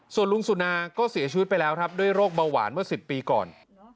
ส่วนลุงสุนาก็เสียชีวิตไปแล้วครับด้วยโรคเบาหวานเมื่อ๑๐ปีก่อน